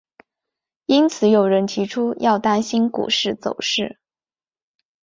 因此有人提出要当心股市走势。